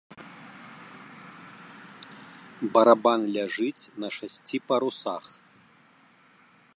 Барабан ляжыць на шасці парусах.